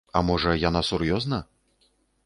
А можа, яна сур'ёзна?